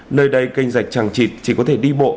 nơi đây canh rạch chẳng chịt chỉ có thể đi bộ